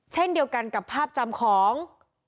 เช่นเดียวกันกับภาพจำของ